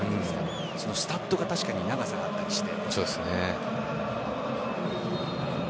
そのスタッドが確かに長さがあったりして。